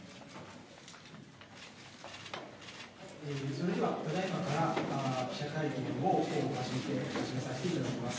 それではただいまから記者会見を始めさせていただきます。